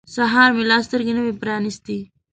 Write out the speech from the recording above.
سهار مې لا سترګې نه وې پرانیستې.